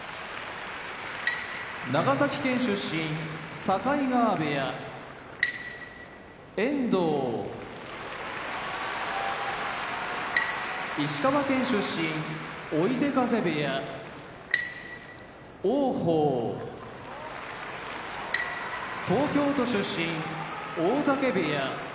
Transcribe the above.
長崎県出身境川部屋遠藤石川県出身追手風部屋王鵬東京都出身大嶽部屋